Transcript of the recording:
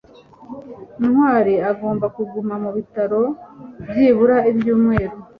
ntwali agomba kuguma mu bitaro byibura icyumweru